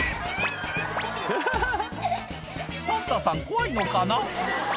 サンタさん怖いのかな？